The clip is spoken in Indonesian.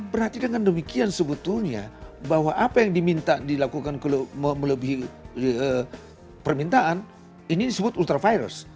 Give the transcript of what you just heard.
berarti dengan demikian sebetulnya bahwa apa yang diminta dilakukan kalau melebihi permintaan ini disebut ultravirus